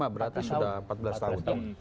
dua ribu lima berarti sudah empat belas tahun